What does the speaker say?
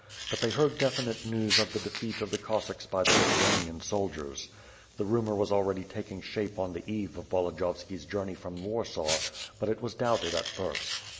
But they heard definite news of the defeat of the Cossacks by the Lithuanian soldiers. The rumor was already taking shape on the eve of Volodiyovski's journey from Warsaw, but it was doubted at first.